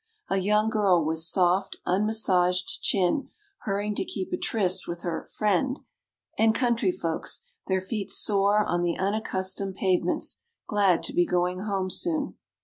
A young girl with soft un massaged chin hurrying to keep a tryst with her "friend," and country folks, their feet sore on the unaccustomed pavements, glad to be going home soon.